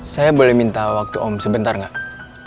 saya boleh minta waktu om sebentar nggak